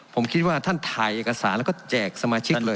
ผมคิดว่าท่านถ่ายเอกสารแล้วก็แจกสมาชิกเลย